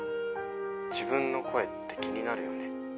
自分の声って気になるよね